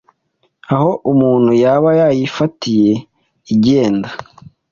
aho umuntu yaba yayifatiye igenda